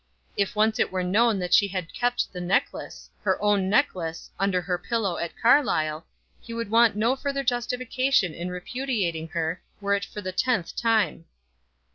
If once it were known that she had kept the necklace, her own necklace, under her pillow at Carlisle, he would want no further justification in repudiating her, were it for the tenth time.